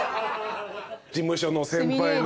事務所の先輩の。